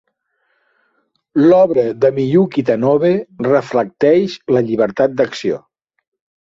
L'obra de Miyuki Tanobe reflecteix la llibertat d'acció.